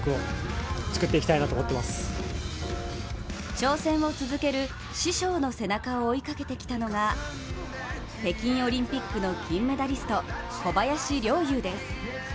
挑戦を続ける師匠の背中を追いかけてきたのが北京オリンピックの金メダリスト小林陵侑です。